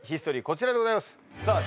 こちらでございます